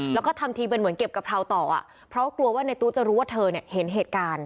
แล้วก็ทำทีเป็นเหมือนเก็บกะเพราต่อเพราะกลัวว่าในตู้จะรู้ว่าเธอเนี่ยเห็นเหตุการณ์